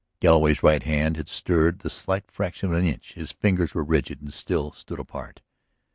Galloway's right hand had stirred the slight fraction of an inch, his fingers were rigid and still stood apart.